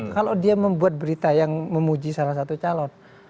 kalau dia membuat berita yang memuji salah satu calon